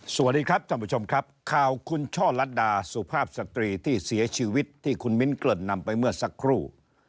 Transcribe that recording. สวัสดีครับท่านผู้ชมครับข่าวคุณช่อลัดดาสุภาพสตรีที่เสียชีวิตที่คุณมิ้นเกริ่นนำไปเมื่อสักครู่